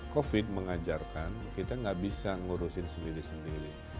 covid mengajarkan kita tidak bisa menguruskan sendiri sendiri